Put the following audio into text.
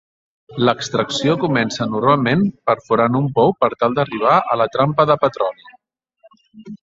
L'extracció comença normalment perforant un pou per tal d'arribar a la trampa de petroli.